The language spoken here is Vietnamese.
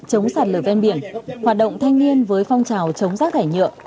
chống sạt lở ven biển hoạt động thanh niên với phong trào chống rác thải nhựa